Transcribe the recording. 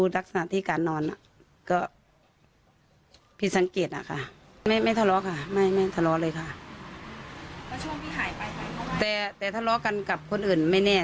แต่ทะเลาะกันกับคนอื่นไม่แน่